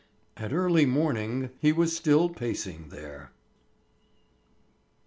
At early morning he was still pacing there.